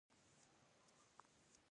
ژوندي فکر کوي